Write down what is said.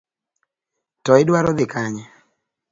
To idwaro dhi kanye?